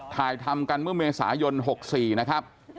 ถ่ายทำกันเมื่อเมษายน๖๔นะครับ